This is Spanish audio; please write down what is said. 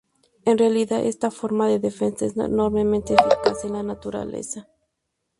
En realidad, esta forma de defensa es enormemente eficaz en la naturaleza.